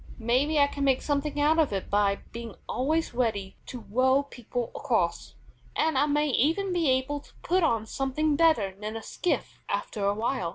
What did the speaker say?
Maybe I can make something out of it by being always ready to row people across, and I may even be able to put on something better than a skiff after awhile.